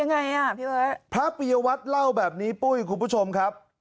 ไงอ่ะพี่เบิร์ตพระปียวัตรเล่าแบบนี้ปุ้ยคุณผู้ชมครับ